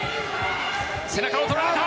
背中をとられた！